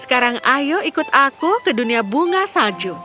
sekarang ayo ikut aku ke dunia bunga salju